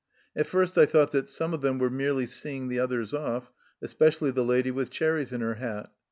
At first I thought that some of them were merely seeing the others off, especially the lady with cherries in her hat.